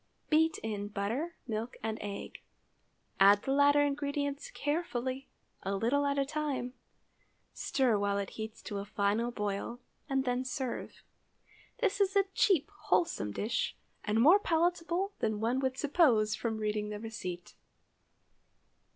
Beat in butter, milk and egg. Add the latter ingredients carefully, a little at a time; stir while it heats to a final boil, and then serve. This is a cheap wholesome dish, and more palatable than one would suppose from reading the receipt.